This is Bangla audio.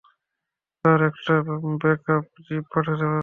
স্যার, একটা ব্যাকআপ জিপ পাঠাতে পারবেন?